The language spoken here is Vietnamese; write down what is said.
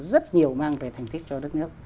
rất nhiều mang về thành tích cho đất nước